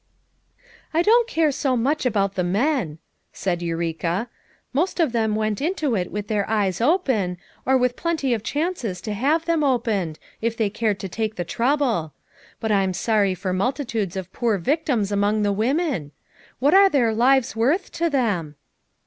" "I don't care so much about the men/ 1 said Eureka. "Most of them went into it with their eyes open, or with plenty of chances to have them opened, if they cared to take the trouble ; but I'm sorry for multitudes of poor victims among the women. "What are their lives worth to them?"